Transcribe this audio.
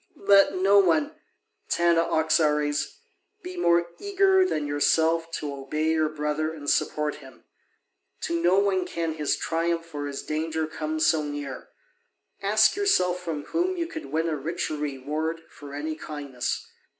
Let no one, Tanaoxares, be more eager than yourself to obey your brother and support him: to no one can his triumph or his danger come so near. Ask yourself from whom you could win a richer reward for any kindness.